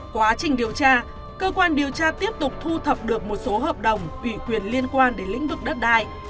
quá trình điều tra cơ quan điều tra tiếp tục thu thập được một số hợp đồng ủy quyền liên quan đến lĩnh vực đất đai